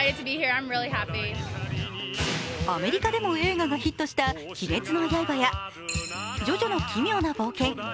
アメリカでも映画がヒットした「鬼滅の刃」や「ジョジョの奇妙な冒険」